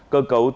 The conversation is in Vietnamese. cơ cấu dịch vụ